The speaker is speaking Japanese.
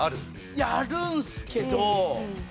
いやあるんすけど。